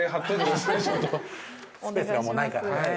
スペースがもうないからね。